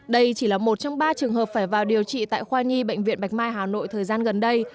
đây chỉ là một trong ba trường hợp phải vào điều trị tại khoa nhi bệnh viện bạch mai hà nội thời gian gần đây